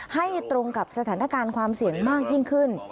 ให้ตรงกับสถานการณ์ความเสี่ยงมากยิ่งขึ้น